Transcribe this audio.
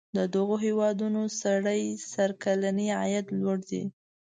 د دغو هیوادونو سړي سر کلنی عاید لوړ دی.